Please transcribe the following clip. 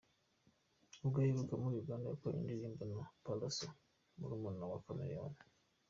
Ubwo aheruka muri Uganda yakoranye indirimbo na Pallaso murumuna wa Chameleone.